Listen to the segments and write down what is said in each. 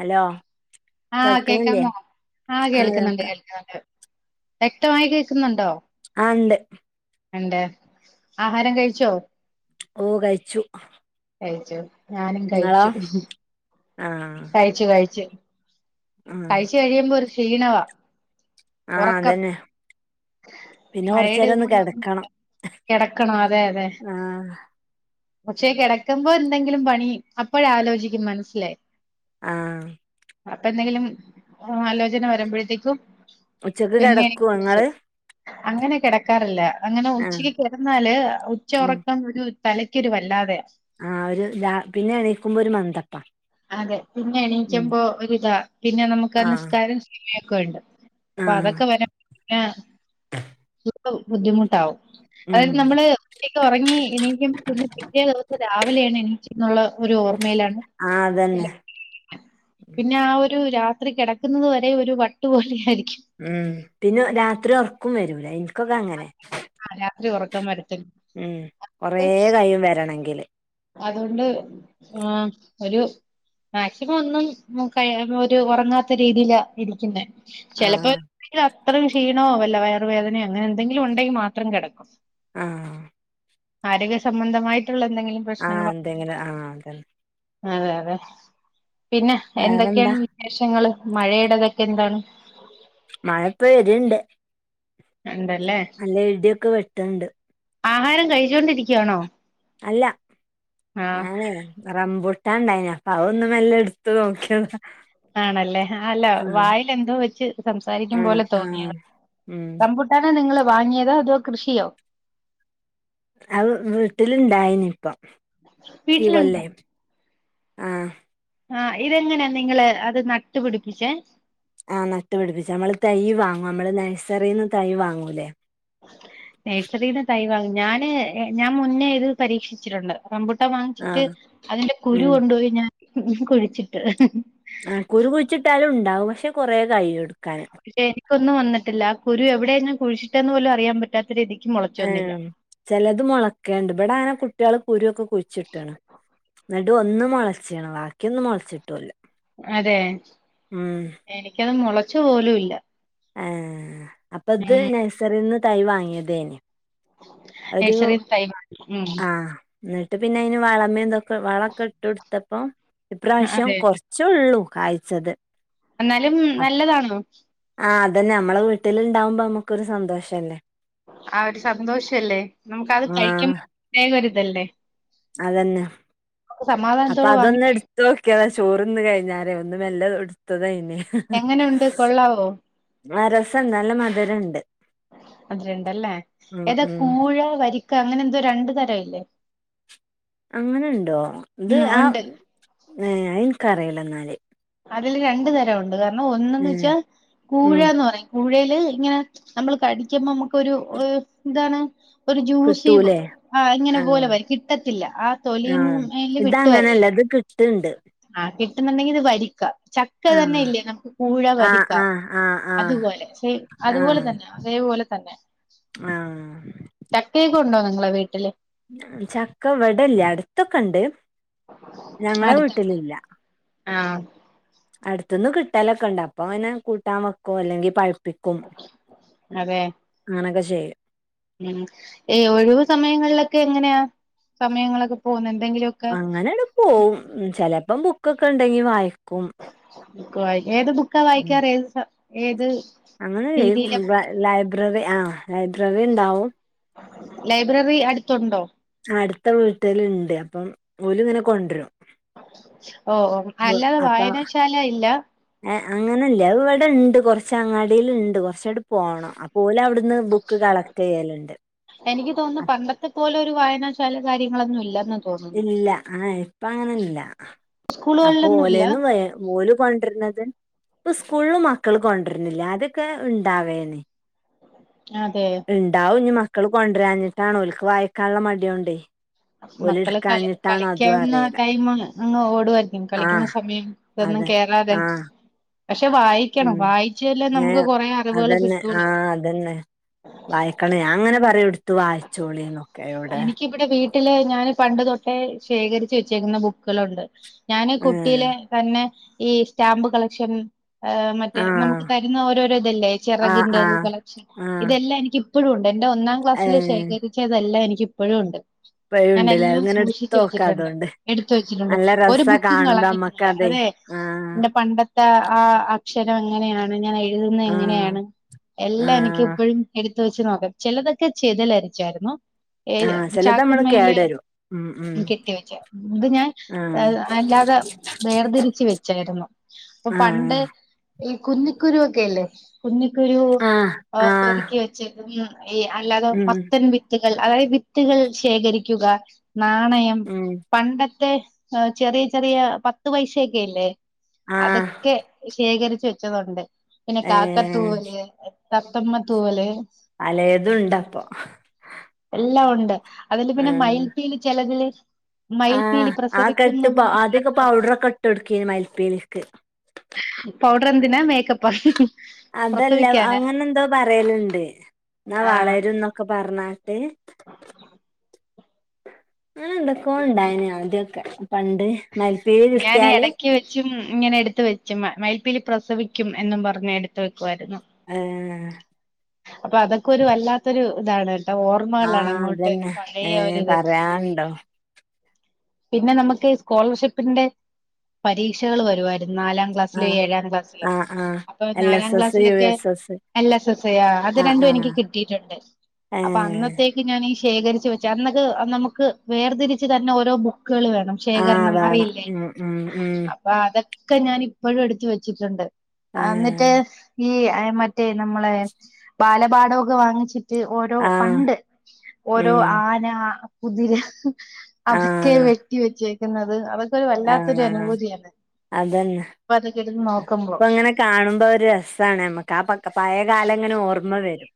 Hello ആ കേൾക്കണില്ലേ കേക്കാമോ? ആ കേൾക്കുന്നുണ്ട്. കേൾക്കുന്നുണ്ട്. വ്യക്തമായി കേൾക്കുന്നുണ്ടോ? ആ ഉണ്ട്. ഉണ്ട്. ആഹാരം കഴിച്ചോ? ഓ കഴിച്ചു. കഴിച്ചു. ഞാനും നിങ്ങളോ കഴിച്ചു. ആഹ് കഴിച്ചു. കഴിച്ചു. ആഹ് കഴിച്ചു കഴിയുമ്പോ ഒരു ക്ഷീണവാ. ആ ഉറക്കം അതന്നെ. പിന്നെ കൊറച്ചു മഴയുടെ നേരം ഒന്ന് ഇതുകൊണ്ട. കിടക്കണം കിടക്കണം അതെ അതെ ആഹ് പക്ഷേ കിടക്കുമ്പോ എന്തെങ്കിലും പണി അപ്പോഴ ആലോചിക്കും മനസ്സിലായി. ആ അപ്പൊ എന്തെങ്കിലും ആലോചന വരുമ്പോഴത്തേക്കും ഉച്ചക്ക് പിന്നെ എനിക്ക് കിടക്കുവോ വിളിച്ചു. നിങ്ങള്? അങ്ങനെ കിടക്കാറില്ല. അങ്ങനെ ആഹ് ഉച്ചക്ക് കിടന്നാല് ഉച്ച ഉം ഉറക്കം ഒരു തലക്കൊരുവല്ലാതെയാ. ആ ഒരു പിന്നെ എണീക്കുമ്പോ ഒരു മന്തപ്പാ- അതെ പിന്നെ ഉം എണീക്കുമ്പോ ഒരിതാ പിന്നെ നമുക്ക് ആഹ് നിസ്കാരം സമയൊക്കെ ഉണ്ട്. അപ്പൊ ആഹ് അതൊക്കെ വര ബുദ്ധിമുട്ടാവും. ഉം അതായത് നമ്മള്ക്ക് ഉച്ചയ്ക്ക്ഉറങ്ങി എണ്ണിക്കുമ്പം പിന്നെ പിറ്റേ ദിവ രാവിലെയാണ് എണ്ണിച്ചെന്നുള്ള ഒരു ഓർമ്മയിലാ ആ അതന്നെ. പിന്നെ ആ ഒരു രാത്രി കിടക്കുന്നത് വരെ ഒരു വട്ട്പോലെ ആയിരിക്കും. ആ ഉം രാത്രി ഉറക്കം വര ഉം കൊറെ കൈയും വരണങ്കില് അതുകൊണ്ട് ആ ഒരു മാക്സിമം ഒന്നും ഒരു ഉറങ്ങാത്ത രീതിയില ഇരിക്കുന്നേ. ചിലപ്പോ ആഹ് എന്തെ അത്രയും ക്ഷീണമോ വല്ല വയറുവേദനയോ അങ്ങനെ എന്തെങ്കിലും ഉണ്ടെങ്കിൽ മാത്രം കിടക്കും. ആഹ് ആരോഗ്യ സംബന്ധമായിട്ടുള്ള എന്തെങ്കിലും ആഹ് പ്രശ്നങ്ങളോ എന്തെങ്കിലും ആ അതന്നെ. അതെ അതെ പിന്നെ എന്തൊക്കെയാണ് വേറെന്താ വിശേഷങ്ങള്? മഴയേടതൊക്കെ എന്താണ്? മഴ ഇപ്പ വരുണ്ട്. ഉണ്ടല്ലേ നല്ല ഇടിയൊക്കെ വെട്ടണുണ്ട്. ആഹാരം കഴിച്ചൊണ്ടിരിക്കയാണോ? അല്ല ഞാനേ റംമ്പൂട്ടാണ്ടായിനേ അപ്പഅതൊന്നു മെല്ല എടു ത്തു നോക്കിയതാ. ആണല്ലേ ആ അല്ല ആഹ് വായിൽ എന്തോ വെച്ച് സംസാരിക്കും ആഹ് പോലെ ആഹ് തോന്നിയതാ. ഉം റംബൂട്ടാൻ നിങ്ങൾ വാങ്ങിയതോ? അതോ കൃഷിയോ? അ വീട്ടിലുണ്ടായിനി ഇപ്പം ഈ വീട്ടിലുണ്ട് കൊല്ലെ ആഹ് ആ ഇതെങ്ങനാ നിങ്ങള് അത് നട്ടു പിടിപ്പിച്ചേ ആ നട്ടു പിടിപ്പിച്ചു നമ്മള് തൈ വാങ്ങും നമ്മള് നഴ്സറിന്ന് തൈ വാങ്ങൂല്ലേ നഴ്സറിന്ന് തൈവാങ്ങി ഞാന് ഞാൻ മുന്നേ ഇത് പരീക്ഷിച്ചിട്ടുണ്ട് റമ്പൂ- ട്ടാൻ വാങ്ങിച്ചിട്ട് ആഹ് അതിന്റെ കുരു ഉം കൊണ്ടു പോയി ഞാൻ കുഴിച്ചിട്ട് ആ കുരു കുഴിച്ചിട്ടാലും ഉണ്ടാവും പക്ഷെ കുറേ കഴിയും എടുക്കാന് പക്ഷെ എനിക്കൊന്നും വന്നിട്ടില്ല കുരു എവിടെയ ഞാൻ കുഴിച്ചിട്ടെന്ന് പോലും അറിയൻ പറ്റാത്ത രീതി ഏ ചിലത് മുളക്കണ്ട് ഇവിടെ അങ്ങനെ കുട്ടികള് കുരുവൊക്കെ കുഴിച്ചിട്ടാണ് എന്നട്ട് ഒന്ന് മൊളച്ചിണ് ബാക്കിയൊന്നും മുളച്ചിട്ടുല്ല അതെ എനിക്കത് മുളച്ചു പോലും ഇല്ല ആ അപ്പൊ ഇത് ഉം നഴ്സറിൽ നിന്ന് തൈ വാങ്ങിയതേന് ഒരു നഴ്സറി തൈ ഉം ആ എന്നിട്ട് പിന്നെ അതിന് വളമേന്തൊക്കെ വളൊക്കെ ഇട്ടു കൊടുത്തപ്പം ഇപ്രാവശ്യം അതെ കുറച്ചെയുള്ളൂ കായ്ച്ചത് എന്നാലും നല്ലതാന്നോ ആഹ് അതന്നെ നമ്മെ വീട്ടിലുണ്ടാവുമ്പോ നമുക്കൊരു സന്തോഷല്ലേ ആ ഒരു സന്തോഷല്ലേ നമുക്ക് അത് ആഹ് കഴിക്കുമ്പോ പ്രേത്യേക ഒരിതല്ലേ അതന്നെ നമുക്ക് അപ്പൊ സമാധാനത്തോടെ വാങ്ങി അതൊന്ന് എടുത്ത് നോക്കിയതാ ചോറ് തിന്ന് കഴിഞ്ഞാലേ ഒന്നും വല്ലോം എടുത്ത് കഴി- എങ്ങനെയുണ്ട് കൊള്ളാവോ ആ രസം ഉണ്ട് നല്ല മധുരം ഉണ്ട് മധുരമുണ്ടല്ലേ ഏതാ ഉം കൂഴ വരി- ക്ക അങ്ങനെ എന്തോ രണ്ടു തരമില്ലേ അങ്ങനെണ്ടോ ഇത് ആ ഉണ്ട് ഏ എനക്കറിയില്ല എന്നാല് അതില് രണ്ടു തരമുണ്ട് കാരണം ഒന്നന്ന് ഏഹ് വെച്ചാൽ ഉം കൂഴെന്ന് പറയും കൂഴയില് ഇങ്ങനെ നമ്മള് കടിക്കുമ്പോ നമുക്കൊരു ഇതാണ് ഒരു ജ്യൂസി കിട്ടൂലേ ആ ഇങ്ങനെ ആഹ് പോലെ വരും കിട്ടത്തില്ല ആ തൊലീൽ വിട്ട് വരില്ല കിട്ടുണ്ട് ആ കിട്ടുന്നുണ്ടെങ്കിൽ ഇത് വരിക്ക ചക്ക തന്നെ ആഹ് ഇല്ലേ നമുക്ക് കൂഴ ആഹ് വരിക്ക ആഹ് ആഹ് അതുപോലെ സെയിം അതുപോലെ ആഹ് തന്നെയ അതുപോലെ തന്നെ ആഹ് ആഹ് ചക്കയൊക്കെ ഉണ്ടോ നിങ്ങളെ വീട്ടില് ചക്ക ഇവിടല്ല അടുത്തൊക്കെണ്ട് ഞങ്ങളെ വീട്ടിലില്ല ആ അടുത്തൊന്ന് കിട്ടലൊക്കെണ്ട് അപ്പൊ അതിനെ കൂട്ടാൻ വെക്കോ അല്ലെങ്കിൽ പഴു- പ്പിക്കും അതെ ആങ്ങനെയൊക്കെ ചെയ്യും ഉം ഏ ഒഴിവു സമയങ്ങളിലൊക്കെ എങ്ങനെയാ സമയങ്ങളൊക്കെ പോകുന്നേ അങ്ങനെടെ പോവും ചിലപ്പോ ബുക്കൊക്കെ ഉണ്ടെങ്കി വായിക്കും ബുക്ക് വായി ഏത് ബുക്കാ വായിക്കാറ് ഏത് സ ഏത് രീതിയിലെ അങ്ങനെല്ലേ ബുക്കാണ് ലൈബ്രറി ആ ലൈബ്രറി ഉണ്ടാവും ലൈബ്രറി അടുത്തുണ്ടോ അടുത്ത വീട്ടില ഉണ്ട് അപ്പം ഓല് ഇങ്ങനെ കൊണ്ടുരും ഓ ഓ അല്ലാതെ അപ്പ വായനാശാല ഇല്ല ഏ അങ്ങനെ ഇല്ല ഇവ- ഇവിടെണ്ട് കൊറച്ച് അങ്ങാടീല്ണ്ട് കുറച്ച് ങ്ങട് പോണം അപ്പോ ഓല് അവിടുന്ന് ബുക്ക് കളക്ട് ചെയ്യലുണ്ട് ഇതു പോലൊരു ഒരു വായനാശാല കാര്യങ്ങളൊന്നും ഇല്ലന്ന് തോന്നുന്നു ഇല്ല ആ ഇപ്പ അങ്ങനെല്ല അപ്പൊ സ്കൂളുകളിലൊന്നും ഇല്ല ഓലേന്ന് ഓല കൊണ്ടിരുന്നത് ഇപ്പൊ സ്കൂളും മക്കള് കൊണ്ട വരണില്ല അതൊക്കെ ഉണ്ടാവേര്ന്ന് അതെ ഉണ്ടാവും ഇനി മക്ക- മക്കൾ കൊണ്ടരാഞ്ഞിട്ടണോ ഓൽക്ക് വായിക്കാനുള്ള മടികൊണ്ടെയ് മക്കള് കള കളിക്കാവുന്ന അറിയില്ല ടൈമാണ് അങ്ങ് ഓടുവായിരിക്കും കളിക്കുന്ന ആഹ് സമയം ഇതൊന്നും അതെ കേറാതെ ആഹ് പക്ഷെ വായിക്കണം ഉം വായിച്ചല്ലേ നമുക്ക് ഏഹ് കുറെ അറിവുകൾ കിട്ടുള്ളൂ വായിക്കണ ഞാൻ അങ്ങനെ പറ എടുത്ത വായിച്ചോളി നോക്കെ എവിടെ എനിക്കിവിടെ വീട്ടില് ഞാന് പണ്ട് തൊട്ടേ ശേഖരിച്ച് വെച്ചേക്കുന്ന ബുക്കുകളുണ്ട് ഞാന് ഏഹ് കുട്ടിയിലെ തന്നെ ഈ സ്റ്റാമ്പ് കളക്ഷൻ ഹ് മറ്റേ ആഹ് നമുക്ക് തരുന്ന ഓരോരോ ഇതല്ലേ ആഹ് ചിറകിന്റെ ആഹ് കളക്ഷൻ ആഹ് ഇതെല്ലാം എനിക്ക് ഇപ്പഴും ഉണ്ട് എന്റെ ഒന്നാം ക്ലാസ്സിൽ ഏഹ് ശേഖരിച്ചതെല്ലാം എനിക്ക് ഇപ്പഴും ഉണ്ട് ഇപ്പഴും ഞാൻ ഉണ്ട്ല്ലേ എല്ലാം അതിങ്ങനെ എടുത്ത് സൂക്ഷിച്ചു നോക്കാ വെച്ചിട്ടുണ്ട് അതോണ്ട് എടുത്ത് വെച്ചിട്ടുണ്ട് നല്ല ഒരു രസാ ബുക്കും കാണുമ്പോ അമ്മക്ക് കളഞ്ഞിട്ടില്ല അതെ നേ ആഹ് ന്റെ പണ്ടത്തെ ആ അക്ഷരം എങ്ങനെയാണ് ഞാനേ എഴുതുന്ന ആഹ് എങ്ങനെയാണ്. എല്ലാം എനിക്ക് ആഹ് ഇപ്പഴും എടുത്ത് വെച്ച് നോക്കാം. ചെലതൊക്കെ ചെതലായിരിക്കും. ച്ചായിരുന്നോ? ഏ ആഹ് ചെലത് ചാക്ക് നമ്മള് മേല് കേടരും ഉം ഉം കെട്ടി വെച്ച ഇത് ഞാൻ ആഹ് അല്ലാ തെ വേർതിരിച്ചു വെച്ചായിരുന്നു. അപ്പോ ആഹ് പണ്ട് ഈ കുന്നിക്കുരു ഒക്കെ ഇല്ലേ? കുന്നിക്കുരു ആഹ് ആ ആഹ് പെറ്‌ക്കി വെച്ചേക്കുകയാണ്. ഈ അല്ലാതെ ഉം മത്തൻ വിത്തുകൾ അതായത് വിത്തുകൾ ശേഖരിക്കുക. നാണയം ഉം പണ്ടത്തെ അഹ് ചെറിയ ചെറിയ പത്ത് പൈസയൊക്കെയില്ലേ? ആഹ് അതൊക്കെ ശേഖരിച്ച് വെച്ചതുണ്ട്. പിന്നെ ഏഹ് കാക്കത്തൂവല് തത്തമ്മ തൂവല് പലേതുണ്ടപ്പോ എല്ലാവുണ്ട്. അതില് പിന്നെ മയിൽ‌പ്പീലി ചെലതില് ആ മയിൽപ്പീലി ആ കെട്ട് പ്രസവിക്കുംന്ന് ഇപ്പോ പറഞ്ഞ ആദ്യോക്കെ പൗഡർ ഒക്കെ ഇട്ട് കൊടുക്കന് മയിൽ‌പീലികൾക്ക് പൗഡർ എന്തിനാ മേക്കപ്പാ അതല്ല. പ്രസവിക്കാനാ അങ്ങനെ എന്തോ പറയല്ണ്ട്. എന്നാ ആഹ് വളരുംന്നൊക്കെ പറഞ്ഞ അങ്ങനെ എന്തൊക്കെ ഉണ്ടായിന് ആദ്യോക്കെ പണ്ട് മയിൽ‌പ്പീലി ഞാന് കിട്ട്യാല് എടക്ക് വെച്ചും ഇങ്ങനെ എടുത്ത് വെച്ച് മയിൽ‌പീലി പ്രസവിക്കും എന്നും പറഞ്ഞ് എടുത്ത് വെക്കുവായിരുന്നു. ഏഹ് അപ്പ അതൊക്കെ ഒരു വല്ലാത്തൊരു ഇതാണ്. ഓർമ്മകളാണ് ആഹ് അങ്ങോട്ട് അതന്നെ പഴയാ ഏഹ് ഒരിത്. പറയാണ്ടോ പിന്നെ നമുക്ക് ഈ സ്കോളർഷിപ്പിന്റെ പരീക്ഷകൾ വരുവായി നാലാം ക്ലാസ്സിലെ ആഹ് ഏഴാം ക്ലാസ്സിലെ ആഹ് ആഹ് അപ്പ എൽ നാലാം എസ് എസ് യു ക്ലാസ്സിലൊക്കെ S S L S S ആ അത് ആഹ് രണ്ടും ആഹ് എനിക്ക് കിട്ടിട്ടുണ്ട്. അപ്പ ഏഹ് അന്നത്തേക്ക് ഞാൻ ഈ ശേഖരിച്ച് വെച്ച അന്നൊക്കെ നമുക്ക് വേർതിരിച്ച് തന്ന ഓരോ ബു ക്കുകൾ വേണം ആഹ് ശേഖരണം വേണം അറിയില്ലേ? ഉം ഉം ഉം അപ്പോ അത് ക്കെ ഞാന് ഇപ്പഴും എടുത്ത് വെച്ചിട്ടുണ്ട്. ആ എന്നിട്ട് ഏഹ് ഈ ഏ മറ്റേ നമ്മളെ ബാലപാഠവോക്കെ വാങ്ങിച്ചി ട്ട് ഓരോ ആഹ് പണ്ട് ഓരോ ഉം ആന കുതിര അപ ക്കെ ആഹ് വെട്ടി വെച്ചേക്കുന്നത്. അതൊക്കെ ഒരു വല്ലാത്തരു ആഹ് അനുഭൂതിയാണ്. ഇപ്പോത് അപ്പ അങ്ങനെ കാണുമ്പോ ഒരു രസ്സാണ് ഞമ്മക്ക്. ആ പക് പയേകാലം അങ്ങനെ ഓർമ്മ വരും.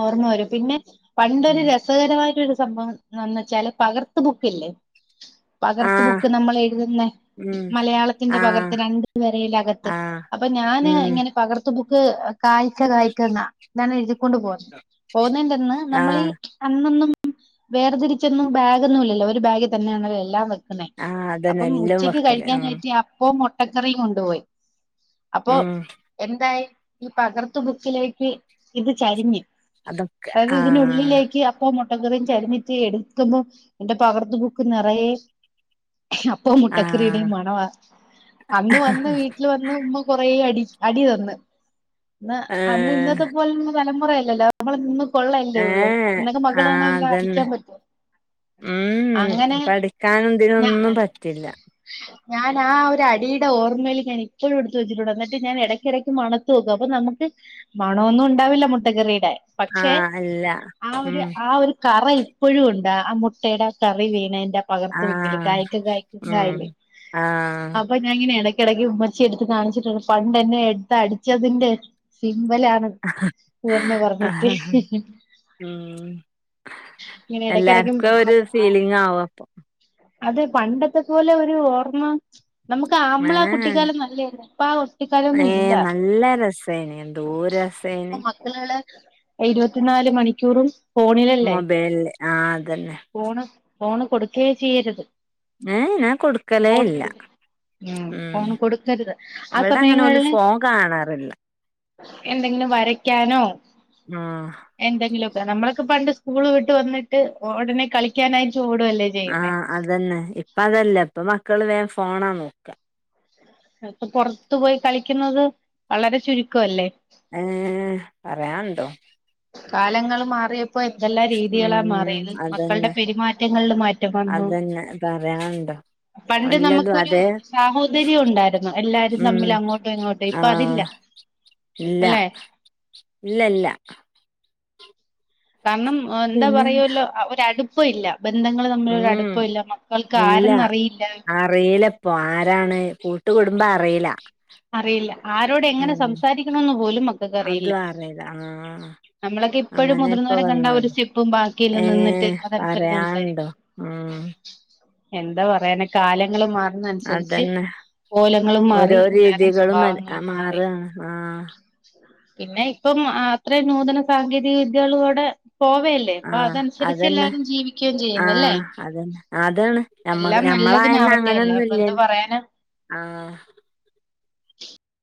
ഓർമ്മ വരും. പിന്നെ പണ്ടൊരു ഉം രസകരമായിട്ടോരു സംഭവമെന്ന് വെച്ചാല് പകർത്ത് ബുക്കില്ലേ? പകർത്ത് ആഹ് ബുക്ക് നമ്മൾ എഴുതുന്ന ഉം മലയാളത്തിന്റെ പകർത്ത് ആഹ് രണ്ട് വരയിലകത്ത് ആഹ് അപ്പോ ഞാന് ഉം ഇങ്ങനെ പകർത്ത് ബുക്ക് കായ്ച്ച കായ്ക്കന്നാ. അതാണ് എഴുതിക്കൊണ്ട് പോവാ. പോന്നേന്റന്ന് നമ്മളീ ആഹ് അന്നൊന്നും വേർതിരിച്ചൊന്നും ബാഗൊന്നും ഇല്ലല്ലോ. ഒരു ബാഗിൽ തന്നെയാണല്ലോ എല്ലാം വെ പിന്നെ ആഹ് അതന്നെ അപ്പം എല്ലും ഉച്ചയ്ക്ക് വെക്കല് ഉം കഴിക്കാനായിട്ട് അപ്പവും മൊ ട്ടക്കറിം കൊണ്ടുപോയി അപ്പോ ഉം എന്തായി? ഈ പകർത്ത് ബുക്കിലേക്ക് ഇത് ചരിഞ്ഞ് അതൊക്കെ അതായത് ആഹ് ഇതിനുള്ളിലേക്ക് അപ്പവും മു ട്ടക്കറിം ചരിഞ്ഞിട്ട് എടുക്കുമ്പോ എന്റെ പകർത്ത് ബുക്ക് നിറയെ അപ്പവും ആഹ് മുട്ടക്കറിയുടെയും മണവാ. അന്ന് വന്ന് വീട്ടിൽ വന്ന് ഉമ്മ കുറെ അടി അടി തന്ന്. ന്ന് അന്ന് ഏഹ് ഇന്നത്തെ പോലേള്ള തലമുറയല്ലല്ലോ. നമ്മള് നിന്ന് കൊള്ളല്ലേ ഉള്ളൂ. ഏഹ് ഇന്നൊക്കെ മക്കളെ അങ്ങനെല്ലാം അടിക്കാൻ പറ്റോ? ഊം ഉം ഇപ്പടിക്കാനും ഞ ഇതിനൊന്നും പറ്റില്ല. ഞാൻ ആ ഒരു അടിയുടെ ഓർമ്മേല് ഞാൻ ഇപ്പഴും എടുത്ത് വച്ചിട്ടുണ്ട്. എന്നിട്ട് ഞാൻ എടക്കെടയ്ക്ക് മണത്തു നോക്കു അപ്പോ നമ്മക്ക് മണൊന്നും ഉണ്ടാവില്ല. മുട്ടകറിയുടെ. പക്ഷേ ആഹ് അല്ല ആ ഉം ഒരു ആ ഒരു കറ ഇപ്പഴും ഒണ്ട്. ട്ട ആ മുട്ടയുടെ ആ കറി വീണേൻ ന്റെ പകർത്ത് ബുക്കില്. ആഹ് കായിക്ക ഗായിക്ക ങ്ങ ഉം ഇല്ലേ? അപ്പ ആഹ് ഞാനിങ്ങനെ എട ക്കെടയ്ക്ക് ഉമ്മച്ചിയെ എടുത്ത് കാണിച്ചിട്ട് പണ്ട് എന്നെ എടുത്ത് അടിച്ചതിന്റെ സിമ്പലാണ് ഇതന്ന് പറഞ്ഞിട്ട് ഉം ഇങ്ങനെ ഇടക്കിടക്ക് എല്ലാർക്കും ഒരു ഫീലിംഗ് ആവും അപ്പൊ അതെ പണ്ടത്തെ പോലെ ഒരു ഓർമ്മ നമുക്ക് ആമ്മള ഏഹ് കുട്ടിക്കാലം നല്ലയായിരുന്നു ഇപ്പ ആ കുട്ടിക്കാലൊന്നും ഇല്ല ഏഹ് നല്ല രസേന് എന്തോര് ഇപ്പ രസേന് മക്കള് ഇരുപത്തിനാല് മണിക്കൂറും ഫോണിലല്ലേ മൊബൈലില് ആഹ് അതന്നെ ഫോണ് ഫോണ് കൊടുക്കയേ ചെയ്യരുത് ഏ ഞാൻ കൊടുക്കലേ ഫോണ് ഇല്ല കൊടുക്ക ഉം ഫോണ് കൊടുക്കരുത് ആ ഇവിടെ അങ്ങനെ ഓല് സമയങ്ങളില് ഫോൺ കാണാറില്ല എന്തെങ്കിലും വരയ്ക്കാനോ ആഹ് എന്തെങ്കിലുമൊക്കെ നമ്മളൊക്കെ പണ്ട് സ്കൂള് വിട്ട് വന്നിട്ട് ഉടനെ കളിക്കാനായിട്ട് ഓടുവല്ലേ ആ ചെയ്യുന്നേ അതന്നെ ഇപ്പ അതല്ല ഇപ്പ മക്കള് വേം ഫോണാ നോക്കാ അ ഇപ്പ പൊറത്തു പോയി കളിക്കുന്നത് വളരെ ചുരുക്ക അല്ലേ ഏ പറയാണ്ടോ കാലങ്ങൾ മാറിയ ഇപ്പൊ എന്തെല്ലാ രീതികളാ ഉം മാറിയത് മക്കളുടെ അതന്നെ പെരുമാറ്റങ്ങളില് മാറ്റം വന്നു അതന്നെ പറയാണ്ടോ പണ്ട് എല്ലതും നമുക്കൊരു അതെ സാഹോദര്യം ഉണ്ടായിരുന്നു എല്ലാരും ഉം തമ്മിൽ അങ്ങോട്ടോ ഇങ്ങോട്ടോ ഇപ്പൊ അതില്ല ആഹ് ഇല്ല അല്ലെ ഇല്ല ഇല്ല കാരണം എന്താ പിന്നെന്താ പറയൂല്ലോ അ ഒരടുപ്പ ഇല്ല ബന്ധങ്ങൾ തമ്മിലൊരു ഉം അടുപ്പമില്ല മക്കൾക്ക് ആരന്ന് അറിയില്ല അപ്പൊ ആരാണ് കൂട്ടുകുടുംബ അറിയില്ല അറിയില്ല ആരോട് എങ്ങനെ ഉം സംസാരിക്കണോന്ന് പോലും മക്കൾക്ക് അറിയില്ല അതും ആഹ് നമ്മളൊക്കെ ഇപ്പോഴും അങ്ങനെ ഇപ്പൊ മുതിർന്നവരെ കണ്ട ഒരു വന്നോണ്ട് സ്റ്റെപ്പും ബാക്കിയെല്ലാം നിന്നിട്ട് ഏഹ് അതനുസരിച്ച് പറയാണ്ടോ സംസാരിക്കും ഉം എന്താ പറയാനെ കാലങ്ങള് മാറുന്ന അനുസരിച്ച് അതന്നെ കോലങ്ങളും മാറി ഓരോ എല്ലാരെയും രീതികളും മ സ്വഭാവങ്ങളും മാറി മാറാണ് ആഹ് പിന്നെ ഇപ്പം അത്രയും നൂതന സാങ്കേതിക വിദ്യകളൂടെ പോവയല്ലേ അപ്പൊ ആഹ് അതനുസരിച്ച് അതന്നെ എല്ലാരും ജീവിക്കുകയും ചെയ്യുന്നല്ലേ ആഹ് അതന്നെ അതാണ് ഞമ്മ എല്ലാം ഞമ്മളായന്ന് നല്ലതിനാവട്ടെ അല്ല അങ്ങനൊന്നും ഇപ്പ എന്ത് ഇല്ലല്ലോ പറയാന ആഹ്